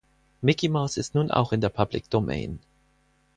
Micky Maus ist nun auch in der Public Domain